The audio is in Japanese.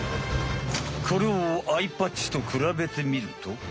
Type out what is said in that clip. これをアイパッチとくらべてみると。